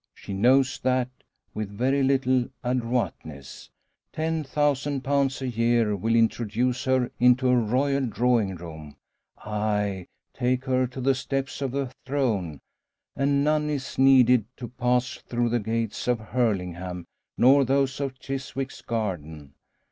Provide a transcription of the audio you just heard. She knows that, with very little adroitness, 10,000 pounds a year will introduce her into a Royal drawing room aye, take her to the steps of a throne; and none is needed to pass through the gates of Hurlingham nor those of Chiswick's Garden.